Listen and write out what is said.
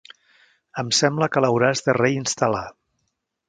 Em sembla que l'hauràs de reinstal·lar.